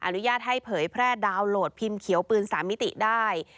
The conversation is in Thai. อนุญาตให้เผยแพร่ดาวน์โหลดพิมพ์เขียวปืน๓มิติได้